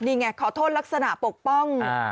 นี่ไงขอโทษลักษณะปกป้อง